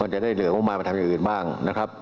จะได้เหลืองออกมามาทำอย่างอื่นบ้างนะครับ